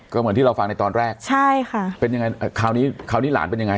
ก็เหมือนที่เราฟังในตอนแรกใช่ค่ะเป็นยังไงคราวนี้คราวนี้หลานเป็นยังไง